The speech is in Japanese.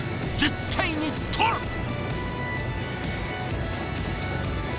絶対に獲る。